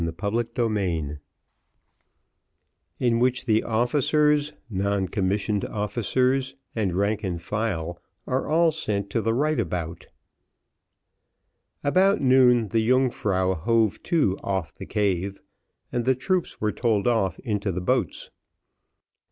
Chapter L In which the officers, non commissioned officers, and rank and file, are all sent to the right about. About noon the Yungfrau hove to off the cave, and the troops were told off into the boats.